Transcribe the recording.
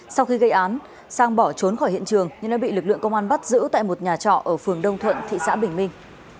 sau khi gây án sang bỏ trốn khỏi hiện trường nhưng đã bị lực lượng công an bắt giữ tại một nhà trọ ở phường đông thuận thị xã bình minh